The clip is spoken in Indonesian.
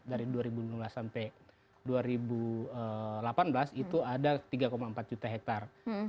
dari dua ribu lima belas sampai dua ribu delapan belas itu ada tiga empat juta hektare